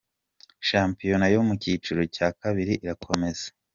Shampiyona yo mu cyiciro cya kabiri irakomeza